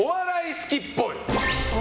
好きっぽい。